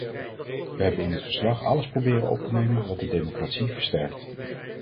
We hebben in het verslag alles proberen op te nemen wat de democratie versterkt.